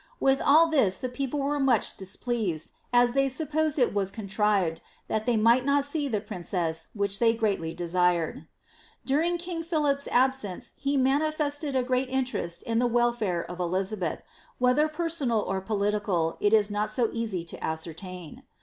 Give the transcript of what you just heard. With all thia the people were nraeh dm pleated, u they enppoeed it wae contrived, that they nraht not aee llii prineeee, which they greatly deaired.* During king Philip'^ abaenoa ha manifeeted a great intereet in the wel&ie of Elinbeth, whether peraoanl or political it ia not ao easy to aacertain.